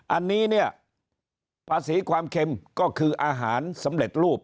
อันนี้เนี่ยภาษีความเค็มก็คืออาหารสำเร็จรูป